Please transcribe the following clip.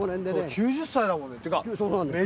９０歳だもんねてか。